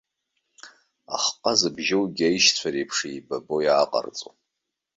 Ахҟа зыбжьоугьы, аишьцәа реиԥш еибабо иааҟарҵон.